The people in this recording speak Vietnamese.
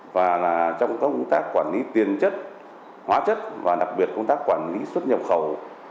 và trong công tác quản lý tiền chất hóa chất và đặc biệt công tác quản lý xuất nhập khẩu